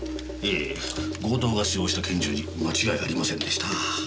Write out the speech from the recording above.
ええ強盗が使用した拳銃に間違いありませんでした。